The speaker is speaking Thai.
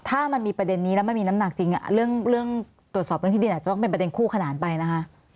ถ้ามันมีประเด็นนี้แล้วมันมีน้ำหนักจริงเรื่องตรวจสอบเรื่องที่ดินอาจจะต้องเป็นประเด็นคู่ขนานไปนะคะ